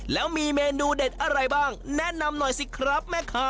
แล้วมีเมนูเด็ดอะไรบ้างแนะนำหน่อยสิครับแม่ค้า